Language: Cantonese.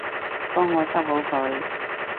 幫我執好佢